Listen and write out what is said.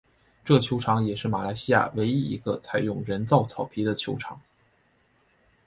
这球场也是马来西亚唯一一个采用人造草皮的球场。